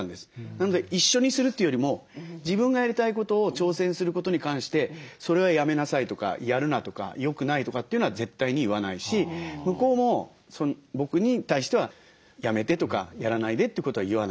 なので一緒にするというよりも自分がやりたいことを挑戦することに関して「それはやめなさい」とか「やるな」とか「よくない」とかっていうのは絶対に言わないし向こうも僕に対しては「やめて」とか「やらないで」ということは言わない。